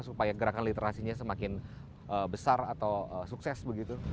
supaya gerakan literasinya semakin besar atau sukses begitu